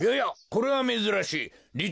これはめずらしい。